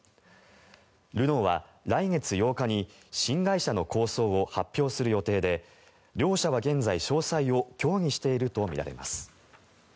ルノーは来月８日に新会社の構想を発表する予定で両社は現在、詳細を協議しているとみられます。